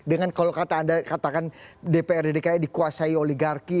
dengan kalau katakan dprd dikuasai oligarki